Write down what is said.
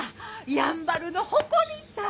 やんばるの誇りさ。